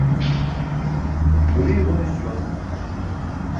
Buriye bonis juwan.